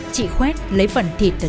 chỉ khoét lấy phần thịt từ đùi sau